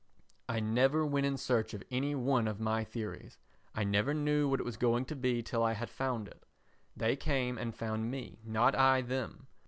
I never went in search of any one of my theories; I never knew what it was going to be till I had found it; they came and found me, not I them.